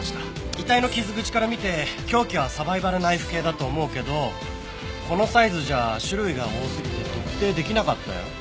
遺体の傷口から見て凶器はサバイバルナイフ系だと思うけどこのサイズじゃ種類が多すぎて特定できなかったよ。